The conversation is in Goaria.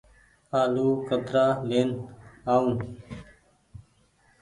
آلو ڪترآ لين آئو ۔